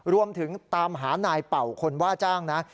รวมถึงตามหานายเป่าคนว่าจ้างนะ